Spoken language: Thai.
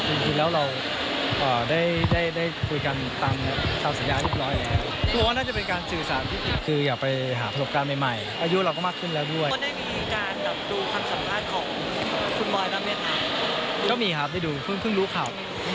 ที่ทีแล้วเราได้คุยกันตามเช้าสัญญาเร็วบร้อยนะ